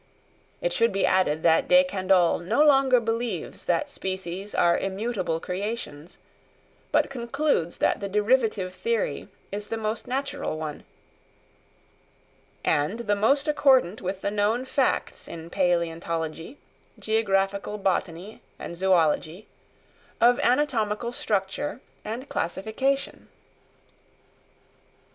It should be added that De Candolle no longer believes that species are immutable creations, but concludes that the derivative theory is the most natural one, "and the most accordant with the known facts in palæontology, geographical botany and zoology, of anatomical structure and classification."